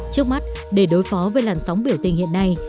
trước mắt để đối phó với làn sóng biểu tình hiện nay